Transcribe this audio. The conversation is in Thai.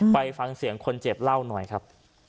ไปฟังเสียงคนเจ็บเล่าหน่อยครับ